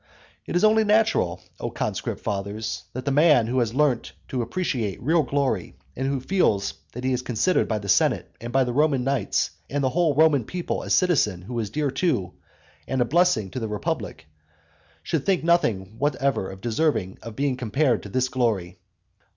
It is only natural, O conscript fathers, that the man who has learnt to appreciate real glory, and who feels that he is considered by the senate and by the Roman knights and the whole Roman people a citizen who is dear to, and a blessing to the republic, should think nothing whatever deserving of being compared to this glory.